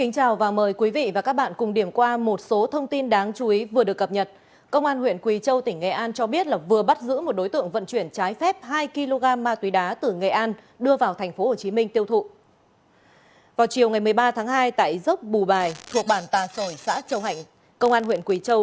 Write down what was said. các bạn hãy đăng ký kênh để ủng hộ kênh của chúng mình nhé